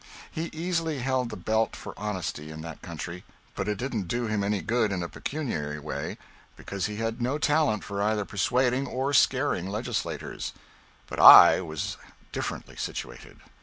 He easily held the belt for honesty in that country, but it didn't do him any good in a pecuniary way, because he had no talent for either persuading or scaring legislators. But I was differently situated.